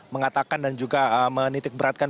mengatakan dan juga menitikberatkan